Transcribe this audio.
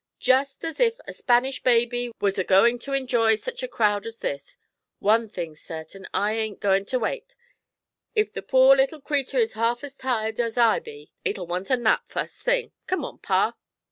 Jest as if a Spanish baby was a goin' to enjoy sech a crowd as this! One thing's certain, I ain't goin' to wait; if the pore leetle creetur is half as tired's I be, it'll want a nap fust thing! Come on, pa!'